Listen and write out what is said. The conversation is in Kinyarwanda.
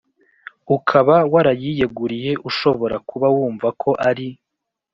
ukaba warayiyeguriye Ushobora kuba wumva ko ari